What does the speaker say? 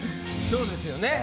そうですよね。